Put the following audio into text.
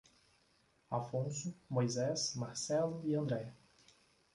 Afonso, Moisés, Marcelo e André